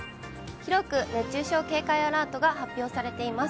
広く熱中症警戒アラートが発表されています。